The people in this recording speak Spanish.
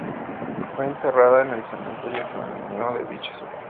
Fue enterrada en el Cementerio Flaminio de dicha ciudad.